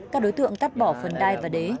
các đối tượng cắt bỏ phần đai và đế